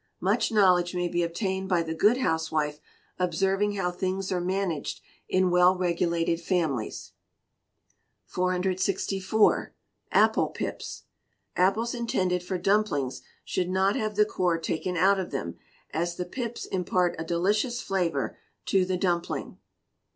Much knowledge may be obtained by the good housewife observing how things are managed in well regulated families. 464. Apple Pips. Apples intended for dumplings should not have the core taken out of them, as the pips impart a delicious flavour to the dumpling.